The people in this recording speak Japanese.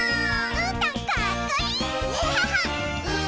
うーたんかっこいいー！